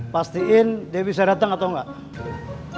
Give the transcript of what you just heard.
pastiin dia bisa datang atau enggak